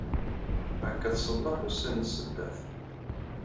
Banka tṣelleḥ ussan n Sebbat.